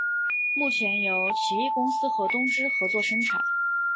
目前由奇异公司和东芝合作生产。